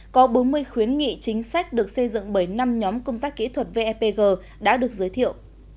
có bốn mươi khuyến nghị chính sách được xây dựng bởi năm nhóm công tác kỹ thuật vepg đã được giới thiệu